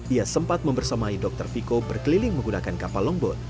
ia sempat membersamai dr viko berkeliling menggunakan kapal longboat